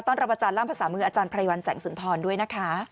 ต้อนรับประจานร่ำภาษามืออาจารย์พระยวัลแสงศุนธรด้วยนะคะ